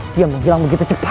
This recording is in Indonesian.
dia menghilang begitu cepat